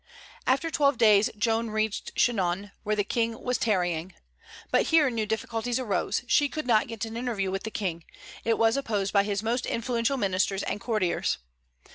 After twelve days Joan reached Chinon, where the King was tarrying. But here new difficulties arose: she could not get an interview with the King; it was opposed by his most influential ministers and courtiers.